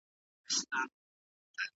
پښتو باید ووایو